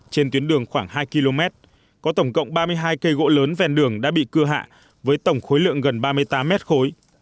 trên tuyến đường khoảng hai km có tổng cộng ba mươi hai cây gỗ lớn ven đường đã bị cưa hạ với tổng khối lượng gần ba mươi tám mét khối